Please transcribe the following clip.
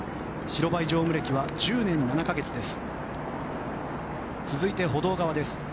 白バイ乗務歴は３年７か月です。